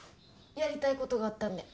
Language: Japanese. やりたいことがあったんで。